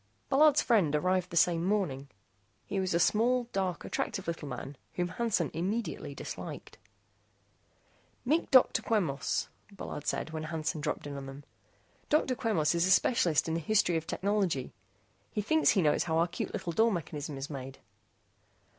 Bullard's friend arrived the same morning. He was a small, dark active little man whom Hansen immediately disliked. "Meet Dr. Quemos," Bullard said when Hansen dropped in on them. "Dr. Quemos is a specialist in the history of technology. He thinks he knows how our cute little door mechanism is made."